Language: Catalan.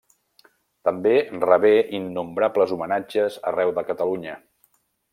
També rebé innombrables homenatges arreu de Catalunya.